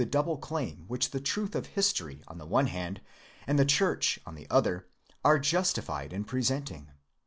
double claim which the truth of history on the one hand, and the church on the other, are justified in presenting.